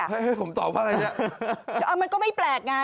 เฮ้ยผมตอบอะไรเนี่ยมันก็ไม่แปลกไง